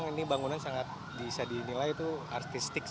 dan benar benar kekuasaan pemujian perjanjian tersebut